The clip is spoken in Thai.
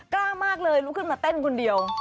กล้ามากเลยลุกขึ้นมาเต้นคนเดียว